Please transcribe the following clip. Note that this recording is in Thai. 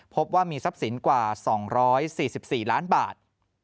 พบว่ามีทรัพย์สินกว่า๒๔๔ล้านบาท